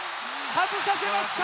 外させました。